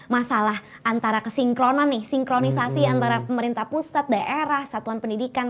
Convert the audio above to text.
masalah antara kesinkronan nih sinkronisasi antara pemerintah pusat daerah satuan pendidikan